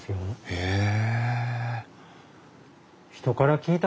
へえ！